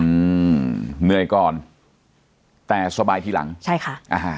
อืมเหนื่อยก่อนแต่สบายทีหลังใช่ค่ะอ่าฮะ